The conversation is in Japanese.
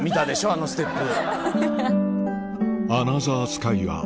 あのステップ。